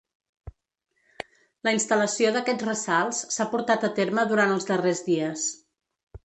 La instal·lació d’aquests ressalts s’ha portat a terme durant els darrers dies.